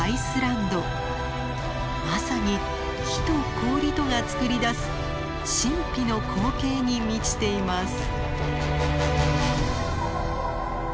まさに火と氷とがつくり出す神秘の光景に満ちています。